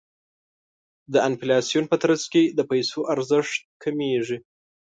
د انفلاسیون په ترڅ کې د پیسو ارزښت کمیږي.